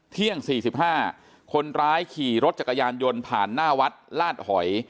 เที่ยง๔๕คนร้ายขี่รถจักรยานยนต์ผ่านหน้าวัดลาดหอย